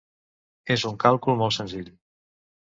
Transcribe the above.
És un càlcul molt senzill.